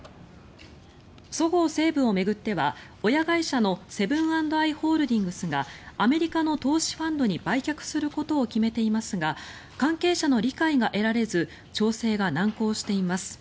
そごう・西武を巡っては親会社のセブン＆アイ・ホールディングスがアメリカの投資ファンドに売却することを決めていますが関係者の理解が得られず調整が難航しています。